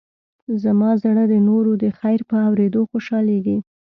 زما زړه د نورو د خیر په اورېدو خوشحالېږي.